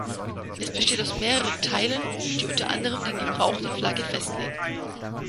Es besteht aus mehreren Teilen, die unter anderem den Gebrauch der Flagge festlegen.